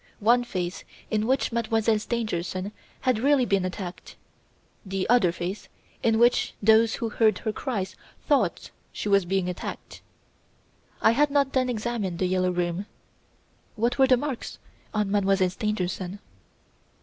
One phase in which Mademoiselle Stangerson had really been attacked the other phase in which those who heard her cries thought she was being attacked. I had not then examined "The Yellow Room". What were the marks on Mademoiselle Stangerson?